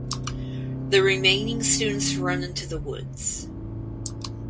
The remaining students run into the woods.